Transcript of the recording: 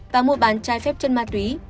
và mua bán chai phép chân mặt túy